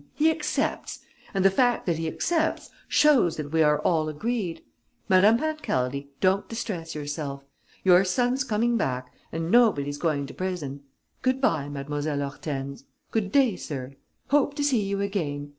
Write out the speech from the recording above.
He accepts! And the fact that he accepts shows that we are all agreed! Madame Pancaldi, don't distress yourself. Your son's coming back and nobody's going to prison! Good bye, Mlle. Hortense! Good day, sir! Hope to see you again!